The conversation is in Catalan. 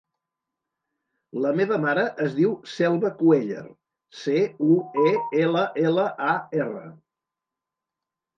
La meva mare es diu Selva Cuellar: ce, u, e, ela, ela, a, erra.